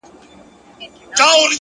هره تجربه د ژوند نوی درس لري!.